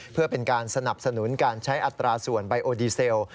เพื่อเป็นการสนับสนุนการใช้อัตราส่วนไบโอดีเซล